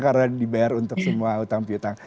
karena dibayar untuk semua utang piutang